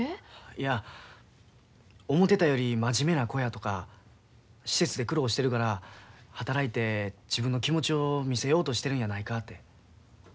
いや思てたより真面目な子やとか施設で苦労してるから働いて自分の気持ちを見せようとしてるんやないかて。